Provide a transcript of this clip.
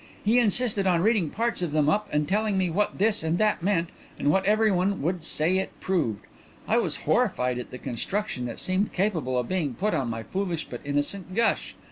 He insisted on reading parts of them up and telling me what this and that meant and what everyone would say it proved. I was horrified at the construction that seemed capable of being put on my foolish but innocent gush.